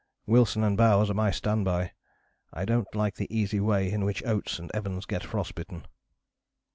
Wilson and Bowers are my stand by. I don't like the easy way in which Oates and Evans get frost bitten."